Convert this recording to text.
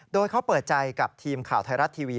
โดยเขาเปิดใจกับทีมข่าวไทยรัฐทีวี